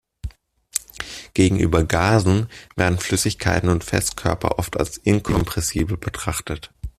Gegenüber Gasen werden Flüssigkeiten und Festkörper oft als inkompressibel betrachtet.